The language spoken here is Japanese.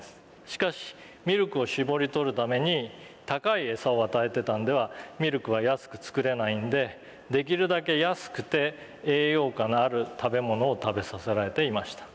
しかしミルクを搾り取るために高い餌を与えてたんではミルクは安く作れないんでできるだけ安くて栄養価のある食べものを食べさせられていました。